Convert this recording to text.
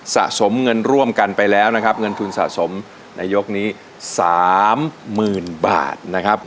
สะสมเงินร่วมกันไปแล้วนะครับเงินทุนสะสมในยกนี้๓๐๐๐บาทนะครับ